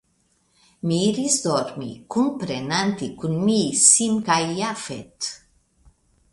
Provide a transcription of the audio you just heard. Mi iris dormi, kunprenante kun mi Sim kaj Jafet.